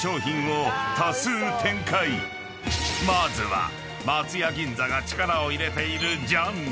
［まずは松屋銀座が力を入れているジャンル］